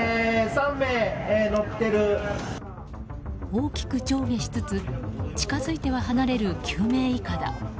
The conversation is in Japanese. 大きく上下しつつ近づいては離れる救命いかだ。